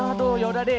aduh yaudah deh